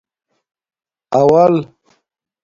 اول